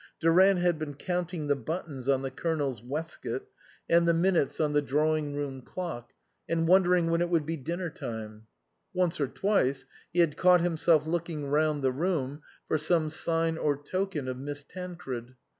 Durant had been counting the buttons on the Colonel's waistcoat and the 4 INLAND minutes on the drawing room clock, and won dering when it would be dinner time. Once or twice he had caught himself looking round the room for some sign or token of Miss Tan cred.